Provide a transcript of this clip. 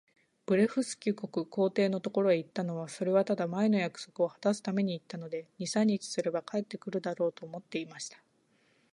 ブレフスキュ国皇帝のところへ行ったのは、それはただ、前の約束をはたすために行ったので、二三日すれば帰って来るだろう、と思っていました。